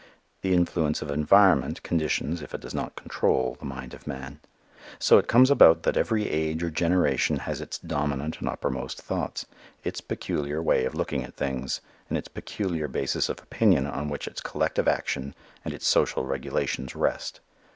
The influence of environment conditions, if it does not control, the mind of man. So it comes about that every age or generation has its dominant and uppermost thoughts, its peculiar way of looking at things and its peculiar basis of opinion on which its collective action and its social regulations rest.